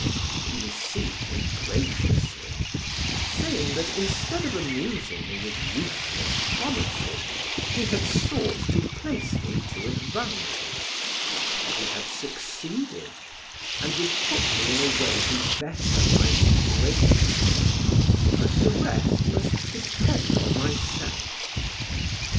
He received me graciously, saying that instead of amusing me with useless promises, he had sought to place me to advantage; that he had succeeded, and would put me in a way to better my situation, but the rest must depend on myself.